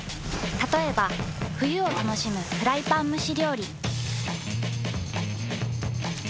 たとえば冬を楽しむフライパン蒸し料理。